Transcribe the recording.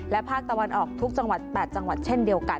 ภาคตะวันออกทุกจังหวัด๘จังหวัดเช่นเดียวกัน